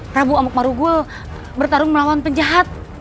prabu amuk marugul bertarung melawan penjahat